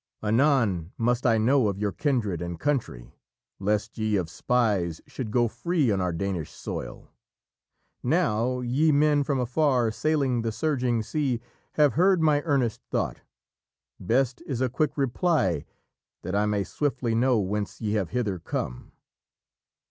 Anon must I know of you kindred and country, Lest ye of spies should go free on our Danish soil. Now ye men from afar, sailing the surging sea, Have heard my earnest thought: best is a quick reply, That I may swiftly know whence ye have hither come."